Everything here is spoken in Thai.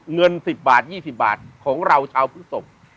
เงิน๑๐บาท๒๐บาทของเราชาวพฤศพ